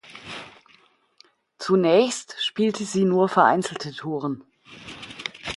Zunächst spielte sie nur vereinzelte Touren.